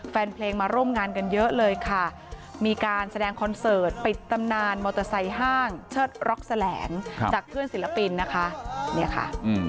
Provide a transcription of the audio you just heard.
แฟนเพลงมาร่วมงานกันเยอะเลยค่ะมีการแสดงคอนเสิร์ตปิดตำนานมอเตอร์ไซค์ห้างเชิดร็อกแสลงจากเพื่อนศิลปินนะคะเนี่ยค่ะ